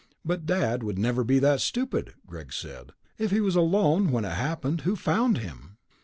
"But Dad would never be that stupid," Greg said. "If he was alone when it happened, who found him?"